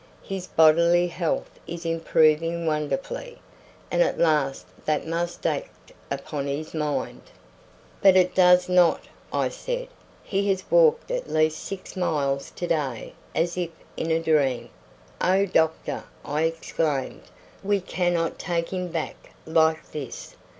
"His bodily health is improving wonderfully, and at last that must act upon his mind." "But it does not," I said. "He has walked at least six miles to day as if in a dream. Oh, doctor!" I exclaimed, "we cannot take him back like this.